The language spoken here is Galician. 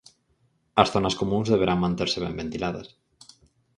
As zonas comúns deberán manterse ben ventiladas.